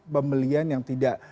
pembelian yang tidak